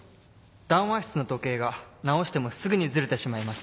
「談話室の時計が直してもすぐにずれてしまいます」